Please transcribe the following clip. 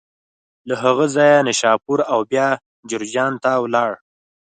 له هغه ځایه نشاپور او بیا جرجان ته ولاړ.